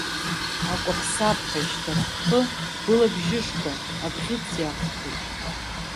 Акәаԥ-саԥҳәа еишьҭарххы, Былабжышқәа абӷьыц иақәҭәоит.